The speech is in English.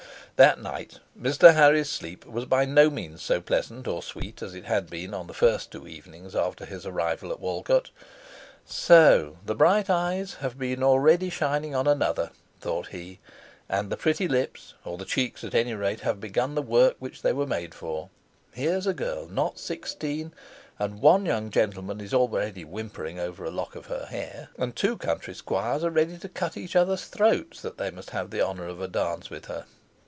That night Mr. Harry's sleep was by no means so pleasant or sweet as it had been on the first two evenings after his arrival at Walcote. "So the bright eyes have been already shining on another," thought he, "and the pretty lips, or the cheeks at any rate, have begun the work which they were made for. Here's a girl not sixteen, and one young gentleman is already whimpering over a lock of her hair, and two country squires are ready to cut each other's throats that they may have the honor of a dance with her.